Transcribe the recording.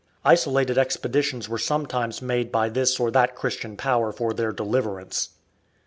Isolated expeditions were sometimes made by this or that Christian power for their deliverance.